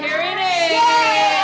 jadi ini dia